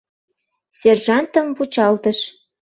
Сержантым вучалтыш.